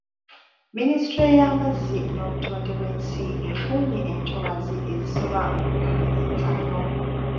Ministule y'amazzi n'obutonde bw'ensi ekuumye entobazi ezisoba mu nkumi ettaano.